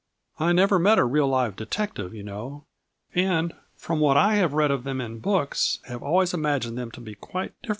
" I never met a real live detective, you know, and, from what I have read of them in books, have always imagined them to be quite differ A FLURRY IN DIAMONDS.